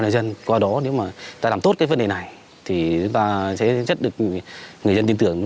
dân qua đó nếu mà ta làm tốt cái vấn đề này thì chúng ta sẽ rất được người dân tin tưởng